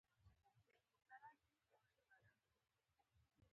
چې موږ متخاصمې او دښمنې قبيلې نه يو.